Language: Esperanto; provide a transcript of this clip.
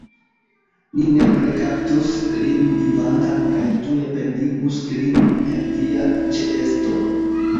Ni nepre kaptus lin vivantan kaj tuj pendigus lin en via ĉeesto!